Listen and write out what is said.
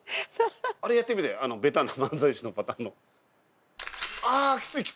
あれやってみてベタな漫才師のパターンの。